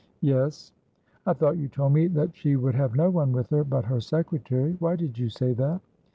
"Yes." "I thought you told me that she would have no one with her but her secretary? Why did you say that?"